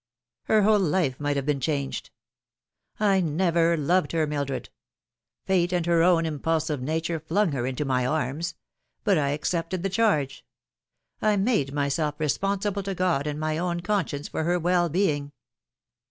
Her whole life might have been changed. I never loved her, Mildred. Fate and her own impulsive nature flung her into my arms ; but I accepted the charge ; I made myself responsible to God and my own con science for her well being."